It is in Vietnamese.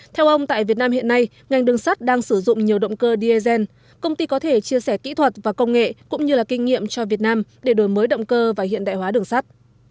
theo ông tại việt nam hiện nay ngành đường sắt đang sử dụng nhiều động cơ dsn công ty có thể chia sẻ kỹ thuật và công nghệ cũng như là kinh nghiệm cho việt nam để đổi mới động cơ và hiện đại hóa đường sắt